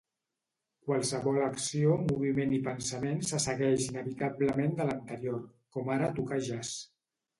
Qualsevol acció, moviment i pensament se segueix inevitablement de l’anterior, com ara tocar jazz.